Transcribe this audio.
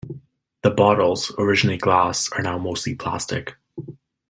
The bottles, originally glass, are now mostly plastic.